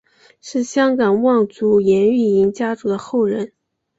是香港望族颜玉莹家族的后人。